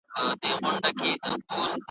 وريجې په نړۍ کې مشهورې دي.